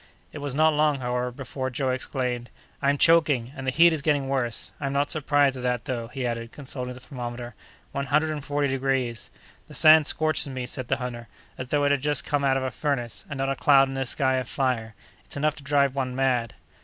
It was not long, however, before Joe exclaimed: "I'm choking, and the heat is getting worse! I'm not surprised at that, though," he added, consulting the thermometer; "one hundred and forty degrees!" "The sand scorches me," said the hunter, "as though it had just come out of a furnace; and not a cloud in this sky of fire. It's enough to drive one mad!"